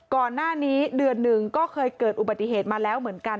ก่อนหน้านี้เดือนหนึ่งก็เคยเกิดอุบัติเหตุมาแล้วเหมือนกัน